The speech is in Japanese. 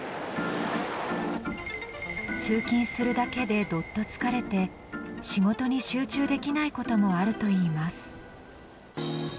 通勤するだけで、どっと疲れて仕事に集中できないこともあるといいます。